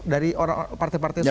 dari partai partai yang sudah berhubung